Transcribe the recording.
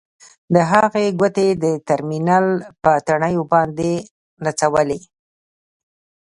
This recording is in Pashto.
د هغه ګوتې د ټرمینل په تڼیو باندې نڅولې